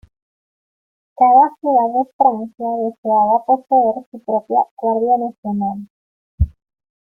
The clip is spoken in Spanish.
Cada ciudad de Francia deseaba poseer su propia Guardia Nacional.